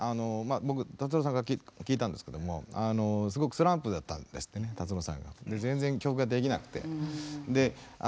僕達郎さんから聞いたんですけどもすごくスランプだったんですってね達郎さんが。で全然曲ができなくて。